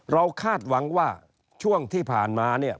คาดหวังว่าช่วงที่ผ่านมาเนี่ย